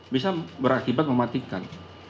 bisa berakibat mematikan